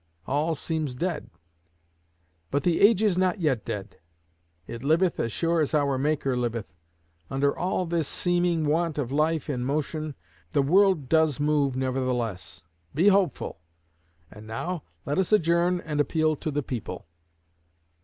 All seems dead; but the age is not yet dead; it liveth as sure as our Maker liveth. Under all this seeming want of life and motion, the world does move nevertheless. Be hopeful. And now let us adjourn and appeal to the people.'"